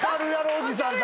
おじさんだ。